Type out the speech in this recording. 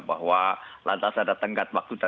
bahwa lantas ada tengkat waktu